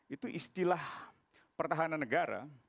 itu istilah pertahanan negara